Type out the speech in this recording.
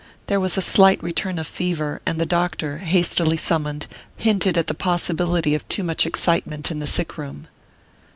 There was a slight return of fever, and the doctor, hastily summoned, hinted at the possibility of too much excitement in the sick room.